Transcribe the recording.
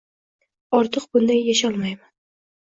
Ortiq bunday yasholmayman